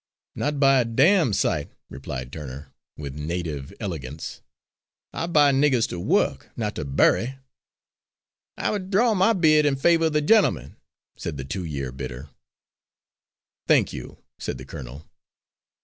"Not by a damn sight," replied Turner, with native elegance. "I buy niggers to work, not to bury." "I withdraw my bid in favour of the gentleman," said the two year bidder. "Thank you," said the colonel.